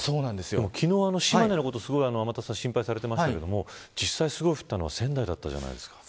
昨日は島根のこと天達さん心配されていましたが実際、降ったのは仙台だったじゃないですか。